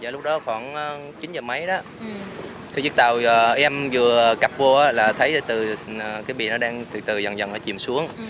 lúc đó khoảng chín h mấy đó khi chiếc tàu em vừa cập vô là thấy từ cái bìa nó đang từ từ dần dần nó chìm xuống